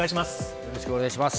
よろしくお願いします。